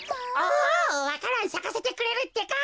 おわか蘭さかせてくれるってか。